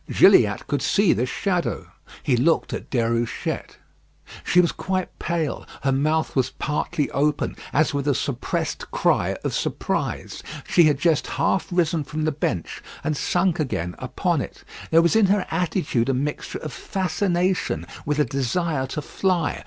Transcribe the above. Gilliatt could see this shadow. He looked at Déruchette. She was quite pale; her mouth was partly open, as with a suppressed cry of surprise. She had just half risen from the bench, and sunk again upon it. There was in her attitude a mixture of fascination with a desire to fly.